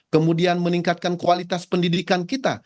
kemudian meningkatkan kualitas pendidikan kita